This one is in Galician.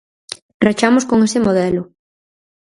Rachamos con ese modelo.